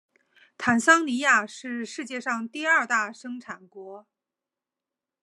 坦桑尼亚是世界上第二大生产国。